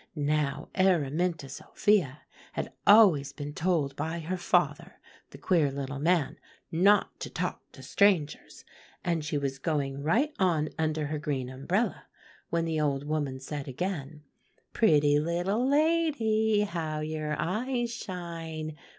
Now Araminta Sophia, had always been told by her father, the queer little man, not to talk to strangers; and she was going right on under her green umbrella, when the old woman said again, 'Pretty little lady, how your eyes shine!